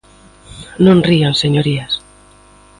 ¡Non rían, señorías!